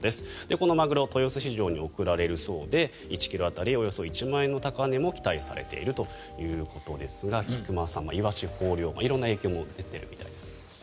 このマグロ豊洲市場に送られるそうで１ｋｇ当たりおよそ１万円の高値も期待されているということですが菊間さん、イワシ豊漁色んな影響も出ているみたいですね。